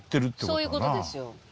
そういう事ですよ。